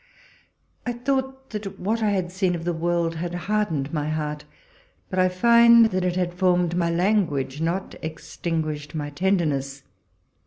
I thought that what I had seen of the world had hardened my heart ; but I find that it had formed my language, not ex tinguished my tenderness.